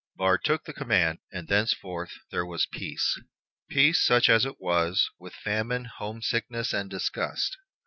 Barre took the command, and thenceforth there was peace. Peace, such as it was, with famine, homesickness, and disgust.